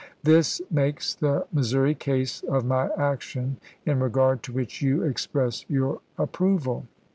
This makes the Mis souri case, of my action in regard to which you express your approval.